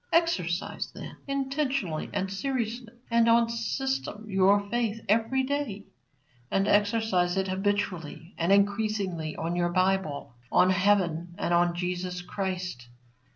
Exercise, then, intentionally and seriously and on system your faith every day. And exercise it habitually and increasingly on your Bible, on heaven, and on Jesus Christ.